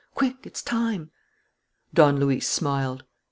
Quick, it's time!" Don Luis smiled.